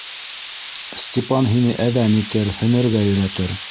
Степан һине әҙәм итер, һәнәргә өйрәтер.